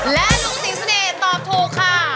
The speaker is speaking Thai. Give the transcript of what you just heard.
และลุงสิงเสน่ห์ตอบถูกค่ะ